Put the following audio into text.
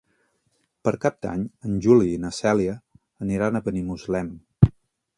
Per Cap d'Any en Juli i na Cèlia aniran a Benimuslem.